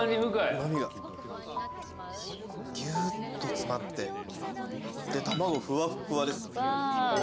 うま味がギュッと詰まってで卵ふわっふわです。わ。